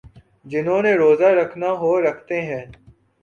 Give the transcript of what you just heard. جنہوں نے روزہ رکھنا ہو رکھتے ہیں۔